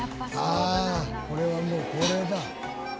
ああこれはもう恒例だ。